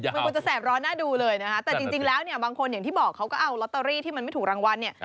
มันควรจะแสบร้อนน่าดูเลยนะคะแต่จริงแล้วเนี่ยบางคนอย่างที่บอกเขาก็เอาลอตเตอรี่ที่มันไม่ถูกรางวัลเนี่ย